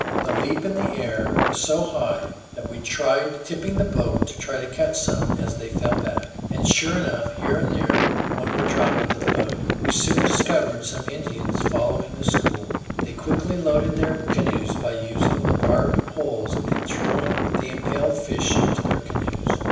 The leap in the air was so high that we tried tipping the boat to catch some as they fell back, and sure enough, here and there one would drop into the boat. We soon discovered some Indians following the school. They quickly loaded their canoes by using the barbed pole and throwing the impaled fish into their canoes.